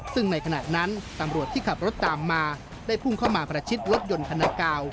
ซึ่งในขณะนั้นตำรวจที่ขับรถตามมาได้พุ่งเข้ามาประชิดรถยนต์คณะกาว